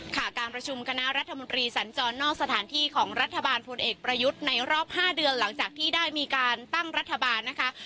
การประชุมคณะรัฐมนตรีสัญจรนอกสถานที่ของรัฐบาลพลเอกประยุทธ์ในรอบ๕เดือนหลังจากที่ได้มีการตั้งรัฐบาลนะคะ